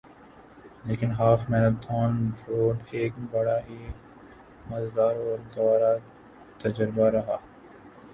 لیکن half marathon دوڑ ایک بڑا ہی مزیدار اور گوارہ تجربہ رہا